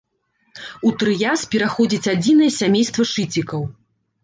У трыяс пераходзіць адзінае сямейства шыцікаў.